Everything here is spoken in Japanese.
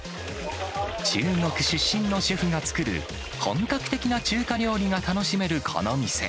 中国出身のシェフが作る、本格的な中華料理が楽しめるこの店。